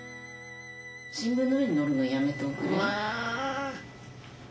新聞の上に乗るのやめておくれ。